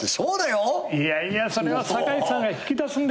いやいやそれは堺さんが引き出すんですもの。